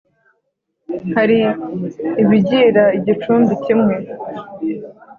hari ibigira igicumbi kimwe